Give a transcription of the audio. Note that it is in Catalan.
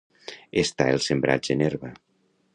Estar els sembrats en herba.